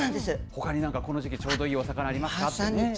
ほかにこの時期、ちょうどいいお魚ありますかとかね。